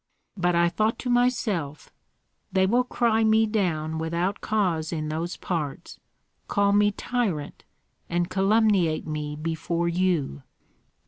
But I thought to myself, 'They will cry me down without cause in those parts, call me tyrant, and calumniate me before you!'"